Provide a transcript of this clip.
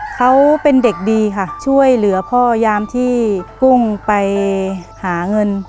เขาเป็นเด็กดีค่ะช่วยเหลือพ่อยามที่กุ้งไปหาเงิน